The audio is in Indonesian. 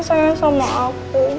gak ada yang sayang sama aku